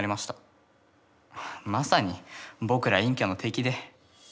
まさに僕ら陰キャの敵で。